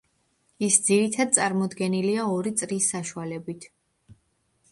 ის ძირითად წარმოდგენილია ორი წრის საშუალებით.